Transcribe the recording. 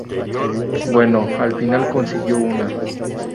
Bueno, al final consiguió una.